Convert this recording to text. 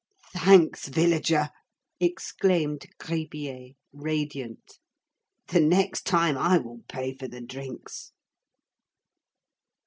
"Thanks, villager!" exclaimed Gribier, radiant. "The next time I will pay for the drinks."